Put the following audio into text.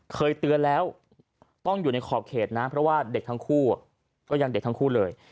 เคยเตือนแล้วต้องอยู่ในขอบเขตนะเพราะว่าเด็กทั้งคู่ก็ยังเด็กทั้งคู่เลย